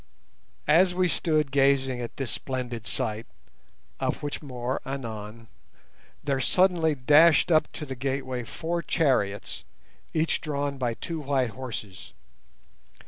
As we stood gazing at this splendid sight, of which more anon, there suddenly dashed up to the gateway four chariots, each drawn by two white horses.